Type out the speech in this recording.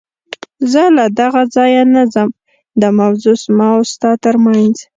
زه له دغه ځایه نه ځم، دا موضوع زما او ستا تر منځ.